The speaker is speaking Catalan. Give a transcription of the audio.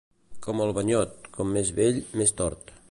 Com el banyot, com més vell, més tort.